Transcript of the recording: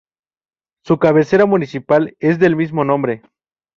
Su cabecera municipal es del mismo nombre.